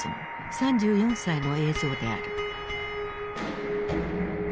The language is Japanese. ３４歳の映像である。